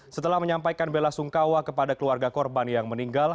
setelah menyampaikan bela sungkawa kepada keluarga korban yang meninggal